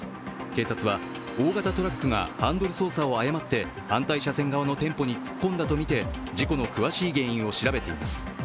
警察は、大型トラックがハンドル操作を誤って反対車線側の店舗に突っ込んだとみて事故の詳しい原因を調べています。